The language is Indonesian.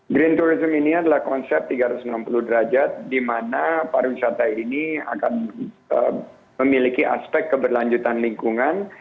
green tourism ini adalah konsep tiga ratus enam puluh derajat di mana pariwisata ini akan memiliki aspek keberlanjutan lingkungan